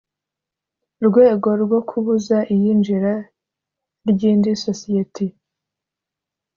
rwego rwo kubuza iyinjira ry indi sosiyeti